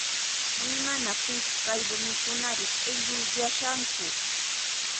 Imanaqtintaq kay rumikunari q'illuyashanku